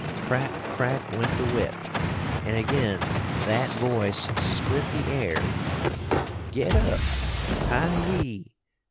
Crack, crack! went the whip, and again "that voice" split the air, "Get up! Hi yi!